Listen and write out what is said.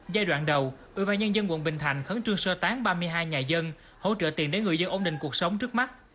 giai đoạn đầu ủy ban nhân dân tp hcm khấn trương sơ tán ba mươi hai nhà dân hỗ trợ tiền đến người dân ổn định cuộc sống trước mắt